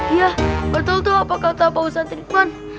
iya betul tuh apa kata pak ustadz lukman